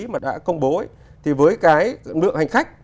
mà đã công bố thì với cái lượng hành khách